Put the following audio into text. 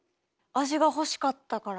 味が欲しかったから？